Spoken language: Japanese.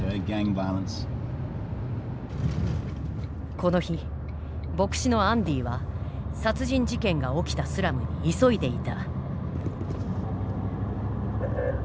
この日牧師のアンディは殺人事件が起きたスラムに急いでいた。